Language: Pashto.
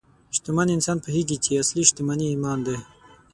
شتمن انسان پوهېږي چې اصلي شتمني ایمان دی.